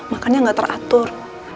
makannya nggak teratur